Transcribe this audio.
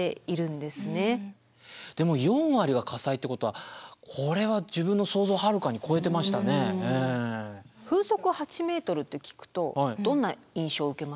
でも４割が火災ってことはこれは風速８ｍって聞くとどんな印象を受けますか？